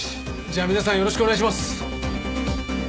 じゃあ皆さんよろしくお願いします！